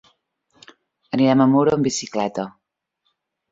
Anirem a Muro amb bicicleta.